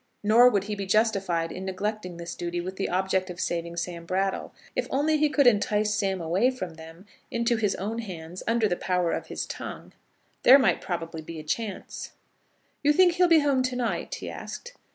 Nor would he be justified in neglecting this duty with the object of saving Sam Brattle. If only he could entice Sam away from them, into his own hands, under the power of his tongue, there might probably be a chance. "You think he'll be home to night?" he asked.